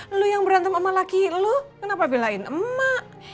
lu yang berantem sama laki lu kenapa belain emak